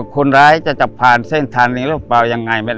คนร้ายจะผ่านเส้นทางนี้หรือเปล่ายังไง